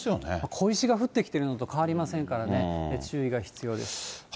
小石が降ってきてるのと変わりませんからね、注意が必要です。